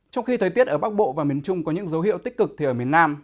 trong khi thời tiết ở bắc bộ và miền trung có những dấu hiệu tích cực thì ở miền nam